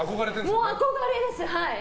もう憧れです！